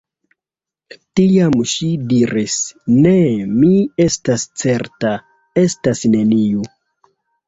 Tiam ŝi diris: Ne — mi estas certa — estas neniu.